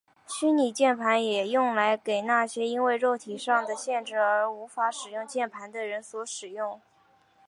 虚拟键盘也用来给那些因为肉体上的限制而无法使用键盘的人所使用。